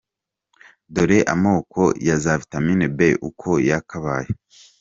Dore amoko ya za vitamin B uko yakabaye.